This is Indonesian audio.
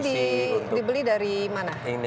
ini dibeli dari mana